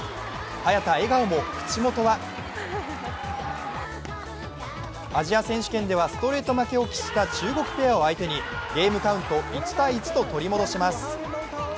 早田、笑顔も口元はアジア選手権ではストレート負けを喫した中国ペアを相手にゲームカウント１−１と取り戻します。